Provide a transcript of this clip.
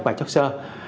và chất sơ